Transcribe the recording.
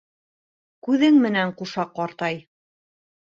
Күҙең менән ҡуша ҡартай.